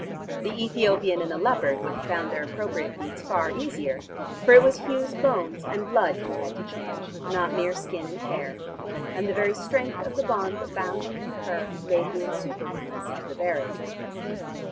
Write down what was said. The Ethiopian and the leopard would have found their appropriate feats far easier, for it was Hugh's bones and blood he had to change, not mere skin and hair, and the very strength of the bond that bound him to her made the insuperableness of the barrier.